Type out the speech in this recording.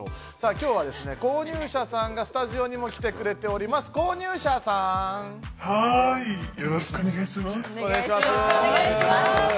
今日は購入者さんがスタジオにも来てくれています。